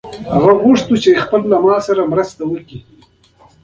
هغه غوښتل په خپلواکۍ کې ورسره مرسته وکړي.